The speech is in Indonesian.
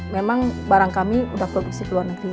memang barang kami sudah produksi ke luar negeri